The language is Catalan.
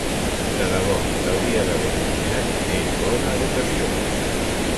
De debò, t'hauria d'haver ensenyat més bona educació!